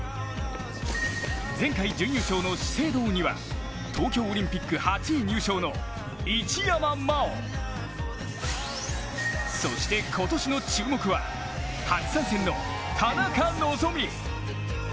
前回準優勝の資生堂には東京オリンピック８位入賞の一山麻緒。そして今年の注目は初参戦の田中希実。